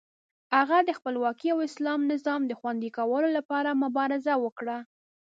هغه د خپلواکۍ او اسلامي نظام د خوندي کولو لپاره مبارزه وکړه.